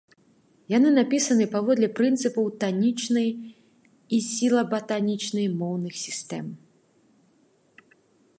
Яны напісаны паводле прынцыпаў танічнай і сілаба-танічнай моўных сістэм.